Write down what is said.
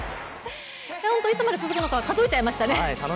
いつまで続くのか、数えちゃいましたね。